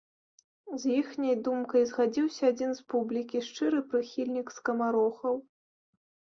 З іхняй думкай згадзіўся адзін з публікі, шчыры прыхільнік скамарохаў.